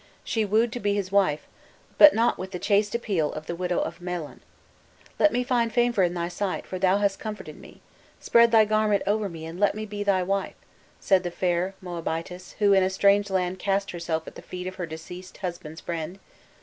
She wooed to be his wife, but not with the chaste appeal of the widow of Mahlon. "Let me find favor in thy sight, for thou hast comforted me! Spread thy garment over me, and let me be thy wife!" said the fair Moabitess who in a strange land cast herself at the feet of her deceased husband's friend.